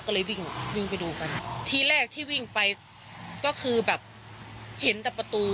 ก็เลยวิ่งวิ่งไปดูกันทีแรกที่วิ่งไปก็คือแบบเห็นแต่ประตู